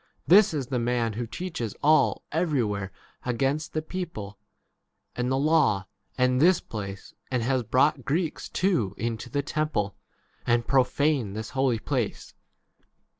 this is the man who teaches all every where against the people, and the law, and this place, and has brought Greeks too into the temple, and 29 profaned this holy place.